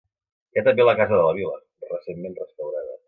Hi ha també la Casa de la Vila, recentment restaurada.